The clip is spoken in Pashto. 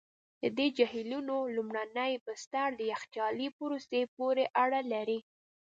د دې جهیلونو لومړني بستر د یخچالي پروسې پورې اړه لري.